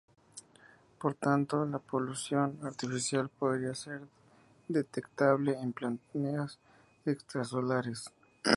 Por tanto, la polución artificial podría ser detectable en planetas extrasolares.